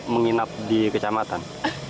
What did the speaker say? menginap di kecamatan